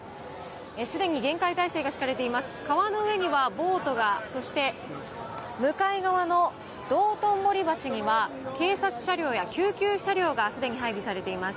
既に厳戒態勢が敷かれています、川の上にはボートが、そして向かい側の道頓堀橋には警察車両や救急車両が既に配備されています。